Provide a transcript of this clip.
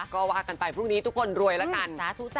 ก็ว่ากันไปพรุ่งนี้ทุกคนรวยแล้วกัน